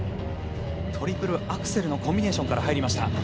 トリプルアクセルのコンビネーションから入りました。